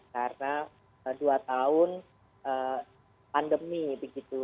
karena dua tahun pandemi begitu